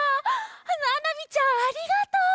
ななみちゃんありがとう！